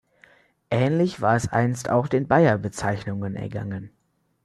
Ähnlich war es einst auch den Bayer-Bezeichnungen ergangen.